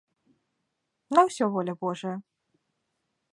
На ўсё воля божая.